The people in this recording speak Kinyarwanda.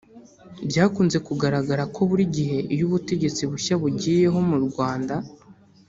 Byakunze kugaragara ko buri gihe iyo ubutegetsi bushya bugiyeho mu Rwanda